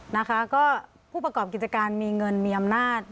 นะคะก็ผู้ประกอบกิจการมีเงินมีอำนาจ